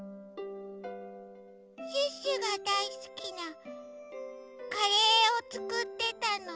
シュッシュがだいすきなカレーをつくってたの。